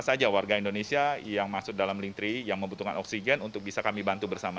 apa saja warga indonesia yang masuk dalam lintri yang membutuhkan oksigen untuk bisa kami bantu bersama